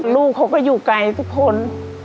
ลูกเขาก็อยู่ไกลทุกคน